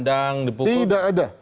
dan betul betul tidak ada